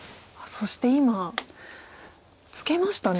そして今ツケましたね。